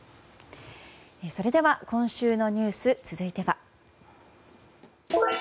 それでは今週のニュース、続いては。